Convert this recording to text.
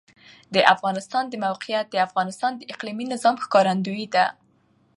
د افغانستان د موقعیت د افغانستان د اقلیمي نظام ښکارندوی ده.